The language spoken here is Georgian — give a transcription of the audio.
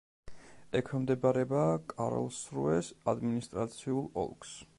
ექვემდებარება კარლსრუეს ადმინისტრაციულ ოლქს.